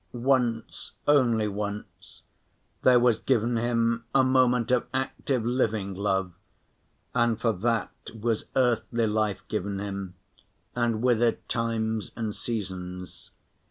Once, only once, there was given him a moment of active living love, and for that was earthly life given him, and with it times and seasons.